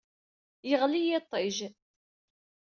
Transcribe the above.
Yeɣli yiṭij.